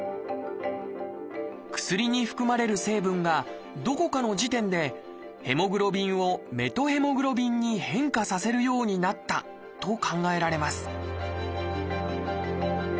薬に含まれる成分がどこかの時点でヘモグロビンをメトヘモグロビンに変化させるようになったと考えられます